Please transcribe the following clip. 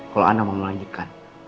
kalau anda mau melanjutkan